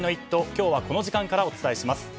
今日はこの時間からお伝えします。